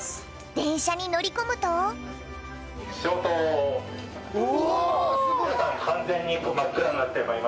電車に乗り込むとうおすごい。